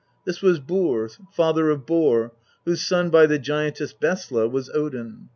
This was Bur, father of Bor, whose son by the giantess Bestla was Odin.